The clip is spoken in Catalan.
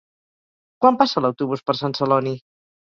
Quan passa l'autobús per Sant Celoni?